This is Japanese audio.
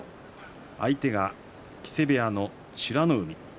相手は木瀬部屋の美ノ海です。